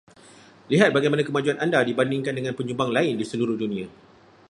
Lihat bagaimana kemajuan Anda dibandingkan dengan penyumbang lain di seluruh dunia.